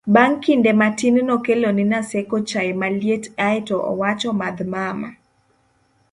bang' kinde matin nokelo ni Naseko chaye maliet ae to owacho 'madh mama